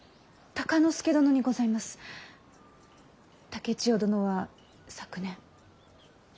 竹千代殿は昨年。